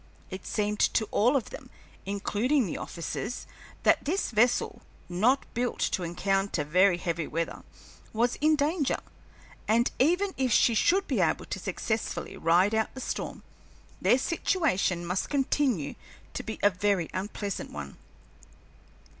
It seemed to all of them, including the officers, that this vessel, not built to encounter very heavy weather, was in danger, and even if she should be able to successfully ride out the storm, their situation must continue to be a very unpleasant one.